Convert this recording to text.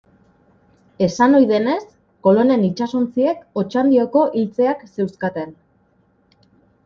Esan ohi denez, Kolonen itsasontziek Otxandioko iltzeak zeuzkaten.